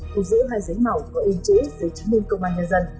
cùng giữ hai giấy màu có yên chữ giới chứng minh công an nhân dân